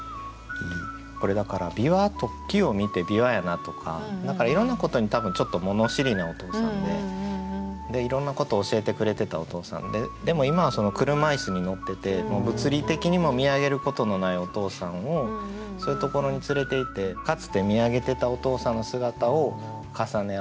これだから木を見て「びわやな」とかいろんなことに多分ちょっと物知りなお父さんでいろんなことを教えてくれてたお父さんででも今は車椅子に乗ってて物理的にも見上げることのないお父さんをそういうところに連れていってかつて見上げてたお父さんの姿を重ね合わせたいんじゃないかなと。